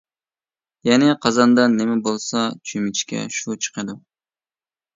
يەنى، قازاندا نېمە بولسا، چۆمۈچكە شۇ چىقىدۇ.